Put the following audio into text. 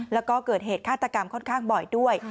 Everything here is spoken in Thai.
แล้วก็เกิดเหตุฆาตกรรมค่อนข้างบ่อยด้วย